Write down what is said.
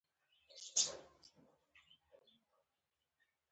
که امر وکړای شي دی دي ډهلي خواته ولاړ شي.